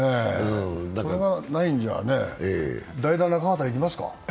それがないんじゃね、代打・中畑要りますか？